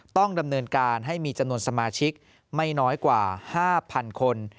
ต้องดำเนินการให้มีจำนวนสมาชิกไม่น้อยกว่า๕๐๐๐คน